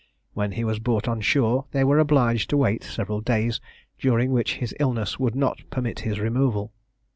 When he was brought on shore, they were obliged to wait several days, during which his illness would not permit his removal.